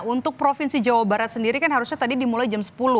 untuk provinsi jawa barat sendiri kan harusnya tadi dimulai jam sepuluh